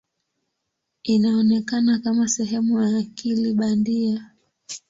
Inaonekana kama sehemu ya akili bandia.